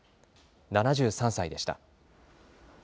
７３歳でした。